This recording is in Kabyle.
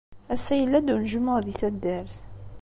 Ass-a yella-d unejmuɛ di taddart.